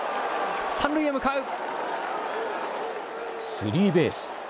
スリーベース。